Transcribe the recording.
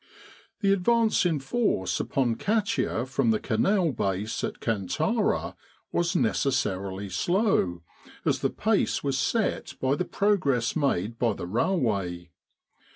The advance in force upon Katia from the Canal Base at Kantara was necessarily slow, as the pace was set by the progress made by the railway.